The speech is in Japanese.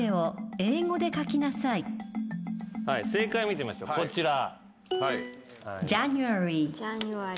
正解見てみましょうこちら。